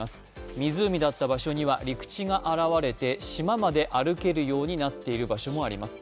湖だった場所には陸地が現れて島まで歩けるようになっている場所もあります。